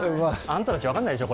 あんたたち分かんないでしょ？